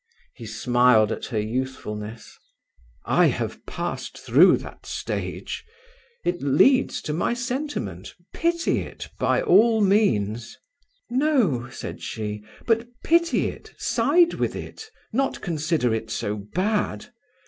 He smiled at her youthfulness. "I have passed through that stage. It leads to my sentiment. Pity it, by all means." "No," said she, "but pity it, side with it, not consider it so bad.